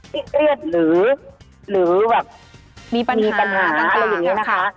เครียดหรือแบบมีปัญหาอะไรอย่างนี้นะคะ